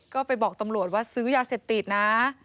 ก็ไปบอกตำรวจว่าซื้อยาเสพติดนะ